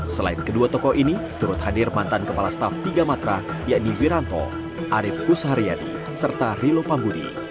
selain kedua tokoh ini turut hadir mantan kepala staf tiga matrah yakni biranto arief kusaharyadi serta rilo pambudi